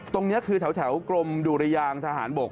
ตรงนี้คือแถวกรมดุรยางทหารบก